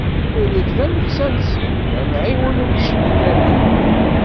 Ili-k d ameksa-nsen, d amɛiwen-nsen i dayem.